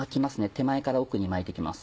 手前から奥に巻いて行きます。